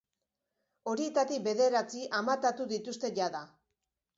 Horietatik bederatzi amatatu dituzte jada.